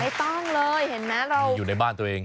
ไม่ต้องเลยเห็นไหมเราอยู่ในบ้านตัวเอง